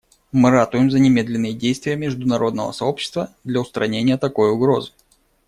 Мы ратуем за немедленные действия международного сообщества для устранения такой угрозы.